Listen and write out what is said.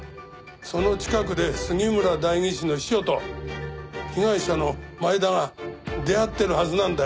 その近くで杉村代議士の秘書と被害者の前田が出会ってるはずなんだよ。